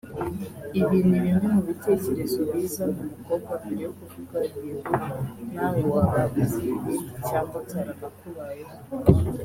Ibi ni bimwe mu bitekerezo biza mu mukobwa mbere yo kuvuga “yego”; nawe waba uzi ibindi cyangwa byaranakubayeho